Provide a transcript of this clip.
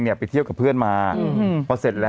จริงปะตอนไหนอ่ะอ๋อจริงปะตอนไหนอ่ะ